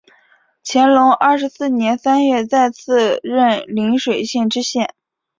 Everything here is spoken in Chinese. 乾隆二十四年三月再次任邻水县知县。